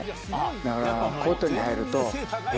だから、コートに入ると、え？